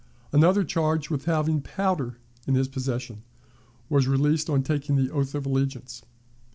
Another, charged with having powder in his possession, was released on taking the oath of allegiance.